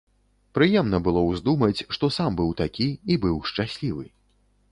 Прыемна было ўздумаць, што сам быў такі і быў шчаслівы.